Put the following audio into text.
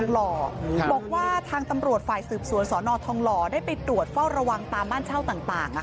บอกว่าทางตำรวจฝ่ายสืบสวนสนทองหล่อได้ไปตรวจเฝ้าระวังตามบ้านเช่าต่าง